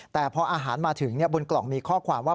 แต่พออาหารมาถึงบนกล่องมีข้อความว่า